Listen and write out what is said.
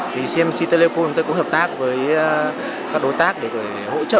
vì cmc telecom tôi cũng hợp tác với các đối tác để hỗ trợ